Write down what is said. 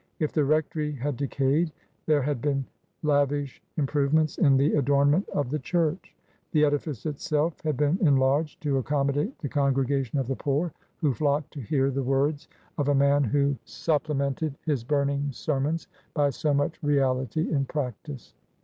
If the rectory had decayed, there had been lavish improvements in the adornment of the church. The edifice itself had been enlarged to accom modate the congregation of the poor, who flocked to hear the words of a man who supplemented his burning ser mons by so much reality in practice.